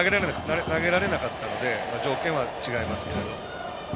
投げられなかったので条件は違いますけれど。